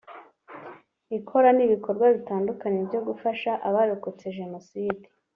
Ikora n’ibikorwa bitandukanye byo gufasha abarokotse Jenoside